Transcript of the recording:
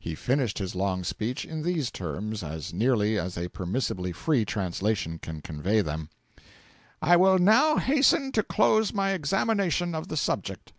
He finished his long speech in these terms, as nearly as a permissibly free translation can convey them: 'I will now hasten to close my examination of the subject.